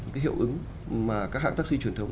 những hiệu ứng mà các hãng taxi truyền thống